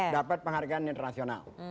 dapat penghargaan internasional